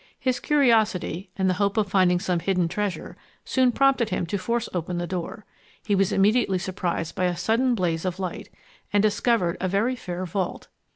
His curiosity, and the hope of finding some hidden treasure, soon prompted him to force open the door. He was immediately surprised by a sudden blaze of light, and discovered a very fair vault.